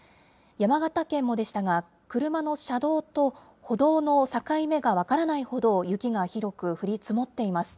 山形県もでしたが、車の車道と歩道の境目が分からないほど、雪が広く降り積もっています。